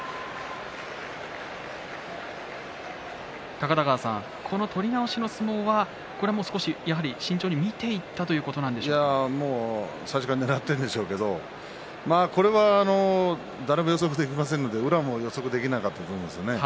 高田川さん、この取り直しの相撲はやはり慎重に見ていった最初からねらっているんでしょうけれどこれは誰も予測できませんので宇良も予測できなかったと思うんですね。